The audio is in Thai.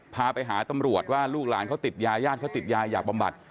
พาไปหาตำรวจว่าลูกหลานเขาติดยาญาติเขาติดยาอยากบำบัด